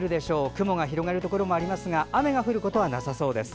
雲が広がるところもありますが雨が降ることはなさそうです。